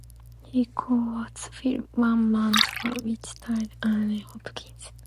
He co-wrote the film "One Man's War" which starred Anthony Hopkins.